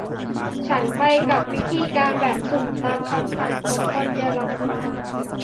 ฉันไปกับวิธีการแบบสุ่มตามคำสั่งของคนเยอรมัน